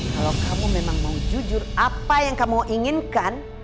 kalau kamu memang mau jujur apa yang kamu inginkan